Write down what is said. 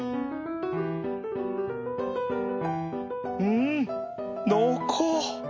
うん濃厚